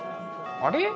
あれ？